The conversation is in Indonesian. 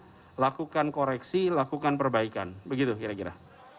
proses ambil hikmahnya lakukan koreksi lakukan perbaikan begitu kira kira